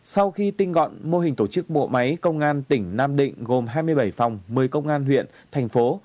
sau khi tinh gọn mô hình tổ chức bộ máy công an tỉnh nam định gồm hai mươi bảy phòng một mươi công an huyện thành phố